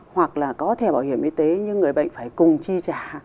hoặc là có thẻ bảo hiểm y tế nhưng người bệnh phải cùng chi trả